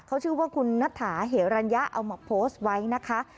เขาชื่อว่าคุณนัทถาเหรัญญะเอามาโพสต์ไว้นะคะ